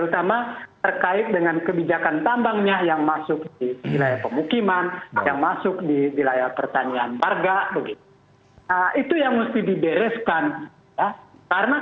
tapi tahan dulu jawaban anda